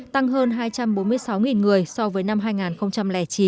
tăng hơn hai trăm bốn mươi sáu người so với năm hai nghìn chín